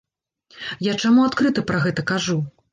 Я чаму адкрыта пра гэта кажу?